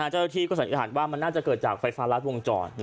เจ้าที่สัญญาณว่ามันน่าจะเกิดจากไฟฟ้ารัดวงจร